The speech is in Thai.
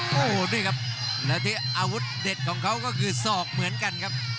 โอ้โหนี่ครับแล้วที่อาวุธเด็ดของเขาก็คือศอกเหมือนกันครับ